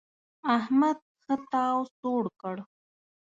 احمد ښه تاو سوړ کړ.